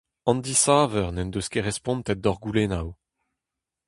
An desaver n'en deus ket respontet d'hor goulennoù.